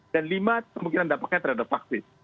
dan lima kemungkinan dampaknya terhadap faktis